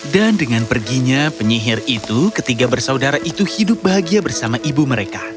dan dengan perginya penyihir itu ketiga bersaudara itu hidup bahagia bersama ibu mereka